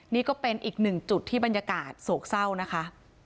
นี่ก็เป็นอีกหนึ่งจุดที่บรรยากาศโศกเศร้านะคะ